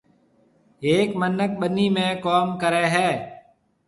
هيََڪ مِنک ٻنِي ۾ ڪوم ڪري هيَ۔